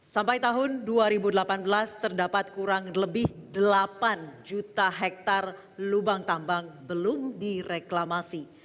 sampai tahun dua ribu delapan belas terdapat kurang lebih delapan juta hektare lubang tambang belum direklamasi